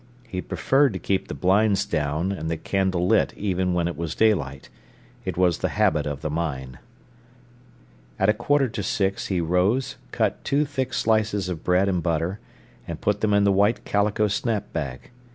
He preferred to keep the blinds down and the candle lit even when it was daylight; it was the habit of the mine. At a quarter to six he rose, cut two thick slices of bread and butter, and put them in the white calico snap bag.